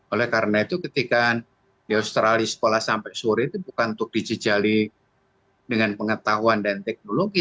oleh karena itu ketika di australia sekolah sampai sore itu bukan untuk dijejali dengan pengetahuan dan teknologi